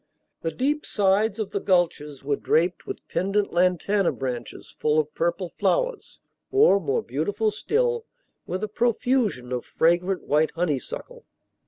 The deep sides of the gulches were draped with pendent lantana branches full of purple flowers, or, more beautiful still, with a profusion of fragrant white honeysuckle.